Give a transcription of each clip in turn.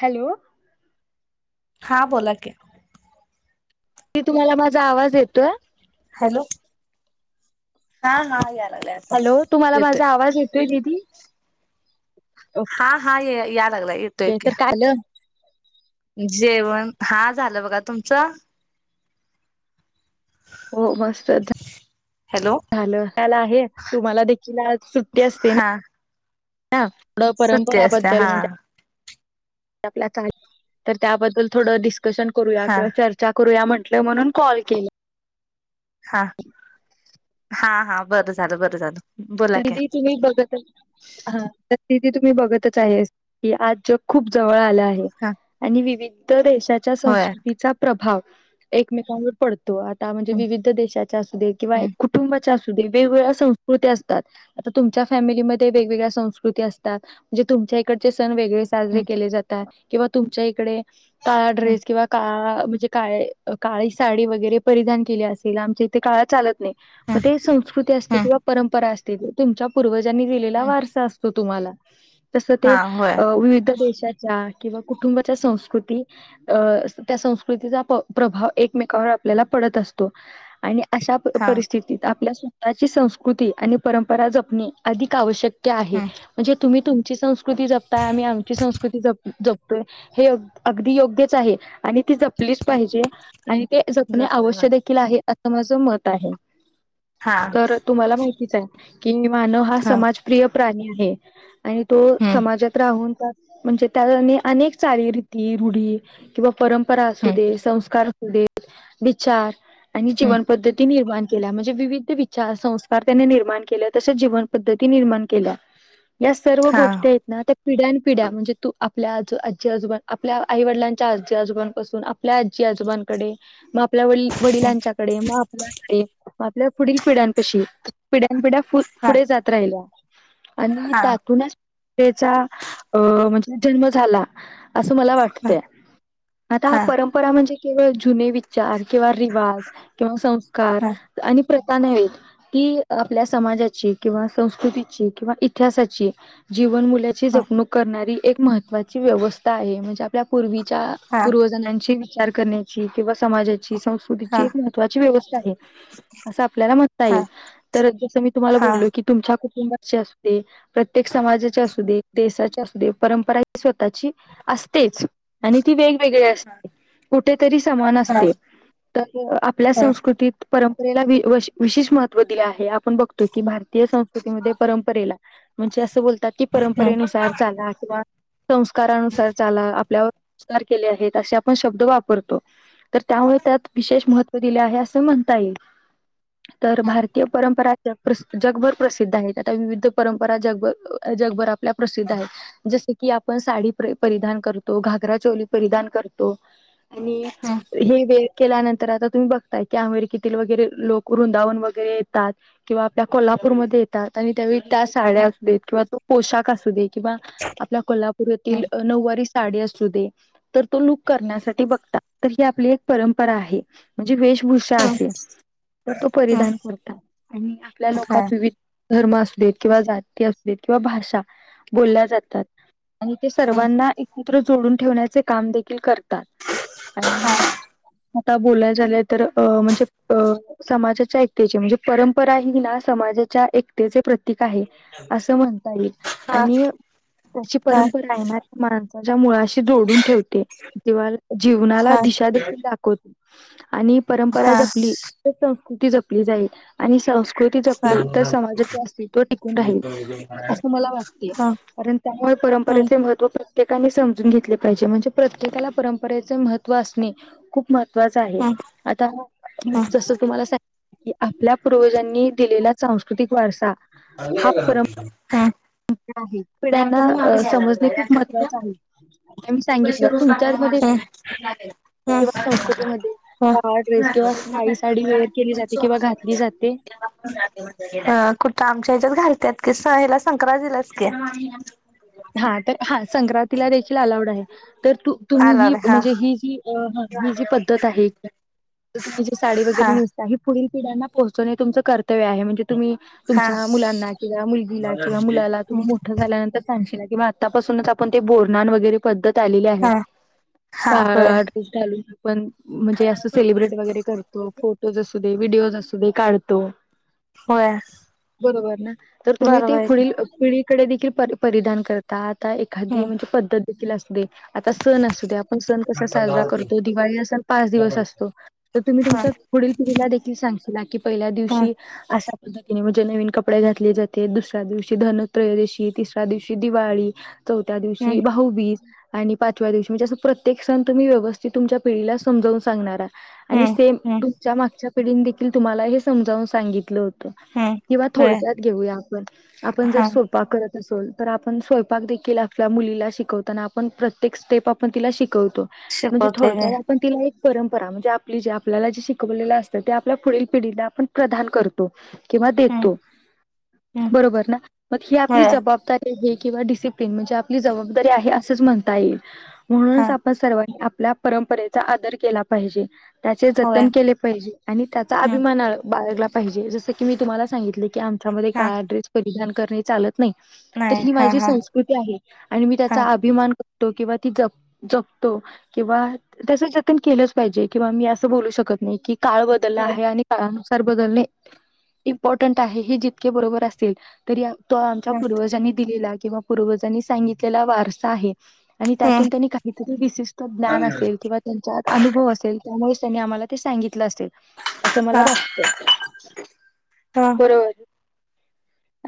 Hello! ! हा बोला की, ताई तुम्हाला माझा आवाज येतोय? हॅलो हा हा याला हॅलो तुम्हाला माझा आवाज येतोय दिदी? हा हा ये यायला लागलाय येतो ओके की तर काल जेवण हा झालं बघा तुमचं? हो मस्त हॅलो झालं त्याला आहे तुम्हाला देखील आज सुट्टी असते हा ना थोडं सुट्टी असते परंपराबद्दल हा म्हणजे आपल्या तर त्याबद्दल थोडं डिस्कशन करूया हा किंवा चर्चा करूया म्हण म्हणून कॉल केला हा हा हा बरं झालं बरं झालं बोला तरी की बीतुम्ही बघत हा कि तुम्ही बघतच आहे की आज जग खूप जवळ आलं आहे हा आणि विविध देश त्याच्या होय संस्कृतीचा प्रभाव एकमेकांवर पडतो. आता म्हणजे विविध देशाच्या असू दे किंवा एक कुटुंबाच्या असू दे वेगवेगळ्या संस्कृती असू दे आता तुमच्याफॅमिलीमध्ये वेगवेगळ्या संस्कृती असतात म्हणजे तुमच्या इकडचे सण वेग गळे साजरे केले जातात किंवा तुमच्या इकडे काळा ड्रेस किंवा काळा म्हणजे का काळी साडी वगैरे परिधान केली असेल आमच्या इथे काळ चालत नाही मग ते संस्कृती असते किंवा परंपरा असते तुमच्या पूर्वजांनी दिलेला वारसा असतो. तुम्हाला तस ते हा होय विविध देशाच्या किंवा कुटुंबाच्या संस्कृती अ त्या संस्कृतीचा प्रभाव एकमेकावर आपल्याला पड पडत असतो आणि अशा हा हा परिस्थितीत आपल्या स्वतःची संस्कृती आणि परंपरा जपणे अधिक आवश्यक, आहे म्हणजे तुम्ही तुम ची संस्कृती जपताय आम्ही आमची संस्कृती ज जपतोय हे अगदी योग्यच आहे. आणि ती जपलीच पाहिजे, आणि ते जपणे आवश्य देखील आहे. असं माझ मत आहे तर तुम्हाला माहितीच आहे की मानव हा समाजप्रिय प्राणी आहे आणि तो हम्म समाजात राहून त्या म्हणजे त्या अनेक चालीरीती रूढी किंवा परंपरा असू हम्म दे संस्कार. देत विचार आणि हम्म जीवन पद्धती निर्माण केल्या म्हणजे विविध विचार संस्कार त्यांनी निर्माण केले तसेच जीवन पद्धती निर्माण केल्या. या सर्व हा गोष्टी आहेत ना त्या पिढ्या न पिढ्या म्हणजे तू आपल्या आज आजी आजोबा आपल्या आई वडिलांच्या आजी आजोबांपासून आपल्या आजी आजोबांकडे मग आपल्या वड वडिलांच्याकडे मग आपल्याकडे म आपल्या पुढील पिढ्यां कशी पिढ्या पिढ्या हा पुढे जात राहिल्या आणि हा त्यातूनच चा अ म्हणजे जन्म झाला. असं मला हा हा वाटतय आता हा परंपरा म्हणजे केवळ जुने विचार किंवा रिवाज किंवा संस्कार हा आणि प्रथा नाही की आपल्या समाजाची किंवा संस्कृतीची किंवा इतिहासाची जीवन मुल्याची जपणूक करणारी एक महत्त्वाची व्यवस्था आहे म्हणजे आपल्या पूर्वी र् पूर्वजनांचे विचार करण्याची कीवा समाजाची हा संस्कृतीची एक महत्त्वाची व्यवस्था आहे असं आपल्याला म्हणता येईल. जस मी तुम्हाला हा बोललो की तुमच्या कुटुंबाचे असते प्रत्येक समाजाचे असू दे देशचे असू दे परंपरा ह स्वतःची असतेच आणि ती वेग गळी कुठेतरी समान हा असते आपल्या संस्कृतीत पऱम पेलाई वी विशेष महत्व दिले आहे आपण बघतो की भारतीय संस्कृतीमध्ये परंपरेला म्हणजे असं बोलतात की परंपरेनुसार चाला किंवा संस्कारानुसार चाला आपल्यावर ार केले आहेत असे आपण शब्द वापरतो तर त्यामुळे त्यात विशेष महत्त्व दिले आहे असं म्हण ताईला तर भार ते परंपरा जग जगभर प्रसिद्ध आहेत आता विविध परंपरा जगभर अ जगभर त्या प्रसिद्ध आहे जसे कि आपण साडी परिधान करतो घाघरा चोली परिधान करतो आणि हे वे केल्यानंतर आता तुम्ही बघताय की आमेरकीतील वगैरे लोक वुंदावून वगैरे ात किंवा आपल्या कोल्हापूरमध्ये येतात आणि त्यावेळी त्या साड्या असूदेत किंवा तो पोशाख असू देेत किंवा आपल्या कोल्हापूरातील नऊवारी साडी असू दे तर तोलुक करण्यासाठी बघता तर ही आपली परंपरा आहे म्हणजे वेशभूषा आहे तर तो परिधान कोनता आणि आपल्या लोकात विविध धर्म असूदेत किंवा जाती असूदेत किंवा भाषा बोलल्या जातात आणि ते सर्वांना एकत्र जोडून ठेवण्याचे काम देखील करते तात आणि म आता बोलाय झालंय तर अ म्हणजे अ समाजाच्या आयक्याची म्हणजे परंपरा ही ना समाजाच्या एकतेचे प्रत्य क आहे अस म्हणता येईल आणि त्याची परंपरा आहेणार मा माझ्या मुळाशी जोडून ठेवते जव्हा जीवनाला पैसे दिशा देखील दाखवते आणि परंपरा जपली तर संस्कृती जपली जाईल आणि संवस ती जपली तर समाजाची असते टिकून राहील असं मला वाटते कारण त्यामुळे परंपरेचे महत्त्व प्रत्येकाने समजून घेतले पाहिजे म्हणजे प्रत्येकाला परंपरेचे महत्त्व असणे खूप मह त्वाचा आहे आता जस तुम्हाला सांगी आपल्या पूर्वजांनी दिलेला सांस्कृतिक वारसा आ हा परंपरा पिढ्यांना समजणे खूप महत्त्वाच आहे मी सांगितलं तुमच्या मध्ये किंवा संस्कृतीमध्ये साहावा ड्रेस किंवा काही साडी वेअर केली जाते किंवा घातली जाते अ कुठं आमच्या ह्याच्यात घालतत की स हला संक्रलास की हा तर हा संक्रांतीला देखील अलावड आहे तर तु तुम्ही ही आलाड हा म्हणजे ही जी ही जी पद्धत आहे तुम्ही जी साडी हा वगैरे नेसता ही पुढील पिड्यांना पोहचणे तुमचं कर तव्य आहे म्हणजे तुम्ही हा तुमच्या मुलांना किंवा मुलगीला किंवा मुलाला तुम्ही मोठं झाल्यानंतर सांगशीला कीवा आतापासूनच आप ते बोर वगरे पद्त तालेली आहेत हा हा होय कारट पण म्हणजे असं सेलिब्रेट वगैरे करतो फोटोज असू दे व्हडिओज असू दे काढतो होय बरोबर ना तर तुम्ही ते बरोबर आहे. पुढील पुळीकडे देखील परिधान करता आता एखादी नव्हीनपद्धत देखील असं ते आता सण असू द्या आपणं सण कसा दहा साजरा रुपये करतो दिवाळी सण पांच त्या दिवस बाईचा. असतों तर तुम्हीं हा तुमच्या पुढील पिढला देखील सांगशान की पहिल्या हा दिवशी असा पद्धतीनें म्हणजे नवीनकपडे घातले जाते दुसऱ्या दिवशी धनत्रयोदशी तिसऱ्या तिसऱ्या दिवशी दिवाळी चौथ्या दिवशी हम्म भाऊबीज आणि पांचव्या दिवशी म्हणजे असं प्रत्येक सण तुम्हीं व्यस्थित तुमच्या पिढला समजाउन सांगणारा आणि हम्म सेम हम्म तुमच्या मागच्या पिढीने देखील तुम्हांला हे समजावून सांगितलं होतं हम्म किंवा होय थोडक्यांत घेऊया आपणं आपणं जर हा सोपा करत आपण स्वयंपाक देखील आपल्या मुलीला शिकवताना आपणं प्रत्येक स्टेप आपणं तिला शिक शिकवतो म्हणजे शिकवते मी थोडक्यात आपणं तिला एक परंपरा म्हणजे आपलीं जे आपल्याला जे शिकवलेलं असतं ते आपल्या पुढील पिढीला आपणं प्रदान करतों किंवा हम्म देतो हम्म बरोबर ना मंग ही आपलीं होय जबाबदारी आहे. किंवा डिसिप्लिन म्हणजे आपलीं जबाबदारी आहे असंच म्हणता येईल म्हणून हा आपणं सर्वांनी आपल्या परंपरेचा आदर केला पाहिजे. त्यांचे होय जतन केलें पाहिजे आणि त्यांचा हम्म अभिमान बाळगला पाहिजे. पाहिजे जसं की मी तुम्हांला सांगितलें की आमच्यामध्ये हा काळा ड्रेस परिधान करणे नाही चालतं नाहीं तर नाही ही हा माझी हा संस्कृती आहे आणि मी हा त्यांचा अभिमान किंवा ती जपतो किंवा त्याचं जतन केलंच पाहिजे किंवा मी असं बोलू शकत नाहीं की काळ बदलला होय आहे आणि काळानुसार संस्कार बदलाने इपाॅटेट आहे हे जितके बरोबर असतील तरी तो आपणं च्या हा पूर्वजांनी दिलेला किंवा पूर्वजांनी सांगितलेला वारसा आहे. आणि हम्म त्यांतून त्यांनीं काहीतरी विशिष्ट ज्ञान असेल किंवा त्यांच्या अनुभव असेल त्यामुळें त्याणी आम्हांला ते सांगित म्हटलं असेल असं मला हा वाटतं. हा बरोबर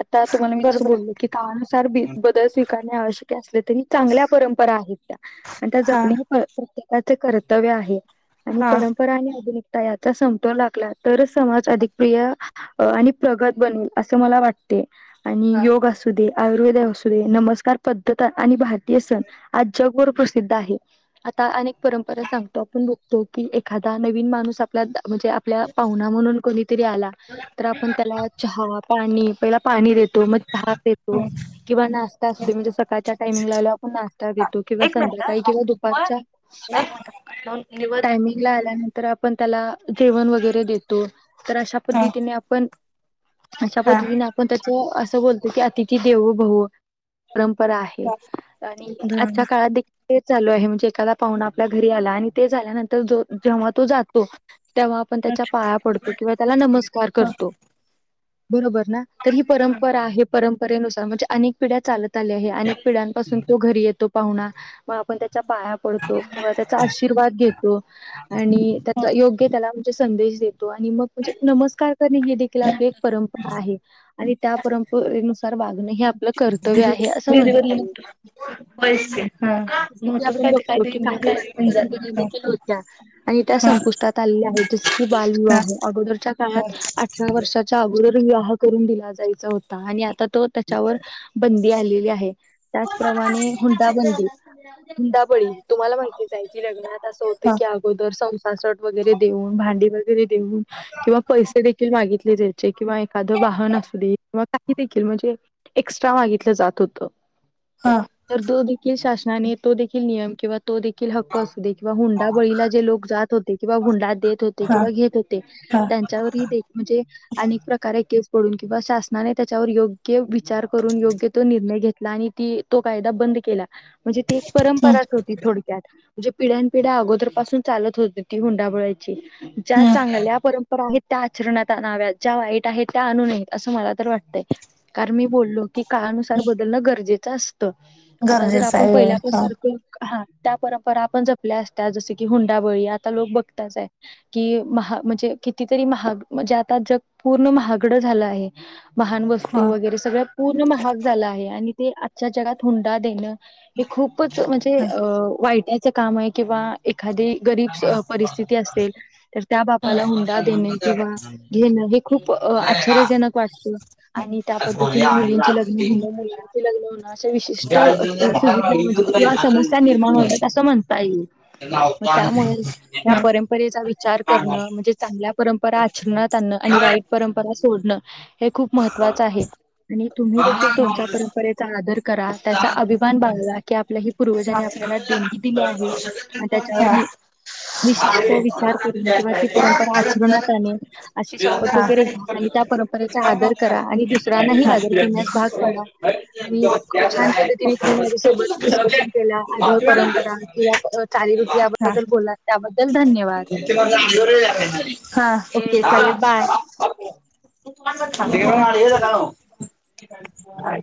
आता तुम्हांला मी जसं बरोबर गावा नुसार आहे. बदल करायचे अश्यक असले तरी त्यां चांगल्या परंपरा आहेत त्या आता हा प्रत [unintelligible] त्यांचे कर्तव्य आहे आणि हा परंपरा आणि आधुनिकता यांचा समतोल राखला तरचं समाज अधिक प्रिय आणि प्रगत बनेल असं मला वाटतें. आणि हा योग असू दे. आयुर्वेद आसुदे नमस्कार पद्धत आणि भारतीय सण आज जगभर प्रसिद्ध आहे. अनेक परंपरा सांगतो आपणं बघतो की एखाद्या नवीन माणूस आप म्हणजे आपल्या पाहुना म्हणून कोणीतरी आला तर आपणं त्याला चहावा पाणी पहिला पाणी देेतो. मंग चहा देतो किंवा नाश्ता असतो म्हणजे सकाळच्या टामिंगला आपणं नाश्ता हा देतो किंवा एक संध्याकाळी मिनिट कांहीं हा किंवा दुपारच्या मंग कीवा तू नंतर आपण त्यालू जेवणं वगेरे देतो तर अश्या हा पद्धतीने आपण अशा हा पद्धतीनें आपणं त्यांच्या म्हणतां की अतिथी देवभव परंपरा आहे हा आणि धरा आजच्या ना काळातील ते चालूं आहे म्हणजे एखादा पाहुना आपल्या घरी आला आणि ते झाल्यानंतर जो जेंव्हा तो जातो. तेंव्हा आपणं त्यांच्या पाया पडतो किंवा त्याला नमस्कार हा करतों. बरोबर ना तर ही परम बरोबर आहे परंपरेनुसार म्हणजे अनेक पिढ्या चालतं आल्या आहे अनेक पिढ्यांपासून तो घरी येतो पाहुणा मंग आपणं त्याची पाया पडतो किंवा त्यांचा आशीर्वाद घेतों आणि त्यांचा योग्य त्याला संदेश देतो आणि मंग त्याला नमस्कार करतो हीदेखील एक आपली परंपरा आहे. त्या परंपरेनुसार वागणं हे आपलं कर्तव्य आहे असं म्हणता येईल हा कि आपण बतोऊ की काही वाईट परंपरा हा देखील होत्या आणि त्यात हा सपूंष्टांत आल्या आहेत जसं की हा बालविवाह अगोदरच्या काळांत अठरा वर्षांच्या अगोदर विवाह करून दिला जायचा होता आणि आ तो त्याच्यावर बंदी आलेली आहे त्याचप्रमाणे हुंडाबंदी हुंदाबळी तुम्हाला माहिती जाय की लग्नात असं होतं की अगोदर संसारासट वगैरे देऊन डी वगैरे देऊन किंवा पैसे देखील मागितले जायचे किंवा एखाद वाहन असू दे किंवा म्हणजे एक्स्ट्रा मागितला जात होतं हा नाही नाही तो देखील नियम किंवा तो देखील हक्क असू दे किंवा हुंडा बळीला जे लोक जात होते किंवा हुंडात देत होते हा हा किंवा घेत होते हा त्यांच्यावर दे म्हणजे अनेक प्रकारे के ून किंवा शासनाने त्याच्यावर योग्य विचार करून योग्य तो घेतला आणि ती तो कायदा बंद केला म्हणजे ती एक हम्म परंपराच होती थोडक्यात म्हणजे पिढ्यानपिढ्या अगोदर पासून चालत होती ती हुंडाबोळाची ज्या हम्म चांगल्या परंपरा आहेत त्या आचरणात आणाव्यात ज्या वाईट आहेत त्या आणू नयेत असं मला तर वाटतंय कारण मी बोललो की काळानुसार बदलणं गरजेचं असतं आता जर गरजेचं आपण आहे वेळ हा पहिल्यापसारख हा त्या परंपरा आपण जपल्या असत्या जस की हुंडाबळी आता लोक बघतच आहे की महा म्हणजे कितीतरी महाग म्हणजे आता जग पूर्ण महागड झालं आहे महान वस्तू हा. वगैरे सगळं पूर्ण महाग झालं आहे आणि ते आजच्या जगात हुंडा देणं हे खूपच म्हणजे वाय टा च काम आहे किंवा एखादी गरीब परिस्थिती असेल तर त्या बापाला हुंडा देणे किंवा घेण खूप आश्चर्यजनक वाटत आणि त्या पद्धतीने मुलींची लग्न होणं मुलांचे लग्न होणं अशा विशिष्ट सुविधा म्हणजे किंवा समस्या निर्माण होतात असं म्हणत का मग त्यामुळे या परंपरेचा विचार करणं म्हणजे चांगल्या परंपरा आचरनातं आणनं आणि वा वाईट परंपरा सोडण हे खूप महत्त्वाचं आहे आणि तुम्ही देखील तुमच्या परंपरेचा आदर करा त्याचा अभिमान बाळगा की आपल्या ह पूर्वजांनी आपल्याला देणगी दिली आहे आणि त्याच्यावर मी विशिष्ट विचार करेन किंवा ती परंपरा आचरणात आणणे अशी शपथ वगैरे घेन हा. त्या परंपरेचा आदर करा आणि दुसऱ्यांनाही आदर करण्यास भाग पडा आणि छान पद्धतीने तने माझ्यासोबत डिस्कशन केला आधळ परंपरा किंवा चाली रुटी याबद्दल बोला त्याबद्दल धन्यवाद ओके चालेल बाय हा थंडक झालाण